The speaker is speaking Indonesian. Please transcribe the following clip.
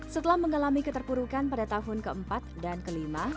setelah mengalami keterpurukan pada tahun keempat dan kelima